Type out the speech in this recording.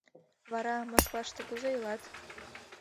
— Вара, Москваште кузе илат?